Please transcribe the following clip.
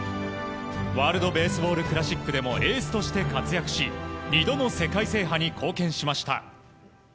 ワールド・ベースボール・クラシックでもエースとして活躍し２度の世界制覇に貢献しました。